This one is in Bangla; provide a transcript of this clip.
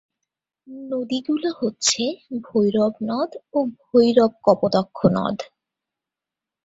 নদীগুলো হচ্ছে ভৈরব নদ ও ভৈরব-কপোতাক্ষ নদ।